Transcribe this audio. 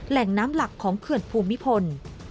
แหล่งน้ำหลักของเขื่อนภูมิพล